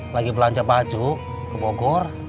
lagi belanja baju ke bogor